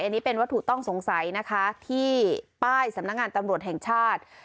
อันนี้เป็นวัตถุต้องสงสัยนะคะที่ป้ายสำนักงานตำรวจแห่งชาติ